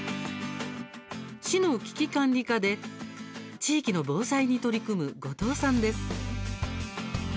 市の危機管理課で地域の防災に取り組む後藤さんです。